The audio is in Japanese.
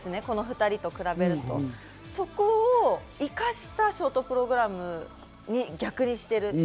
この２人と比べるとそこを生かしたショートプログラムに逆にしている。